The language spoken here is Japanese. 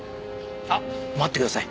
あっ待ってください。